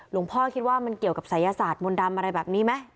คิดว่ามันเกี่ยวกับศัยศาสตร์มนต์ดำอะไรแบบนี้ไหม